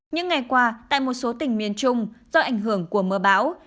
những ngày qua tại một số tỉnh miền trung do ảnh hưởng của mưa bão